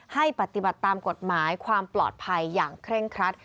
ให้ปฏิบัติตามกฎหมายความปลอดภัยอย่างเคร่งครัด